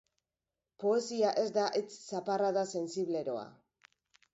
Poesia ez da hitz zaparrada sensibleroa.